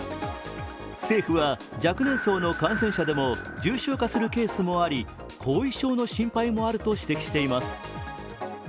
政府は若年層の感染者でも重症化するケースもあり後遺症の心配もあると指摘しています。